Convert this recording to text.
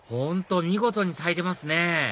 本当見事に咲いてますね